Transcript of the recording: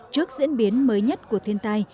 trước diễn biến mới nhất của thiên tai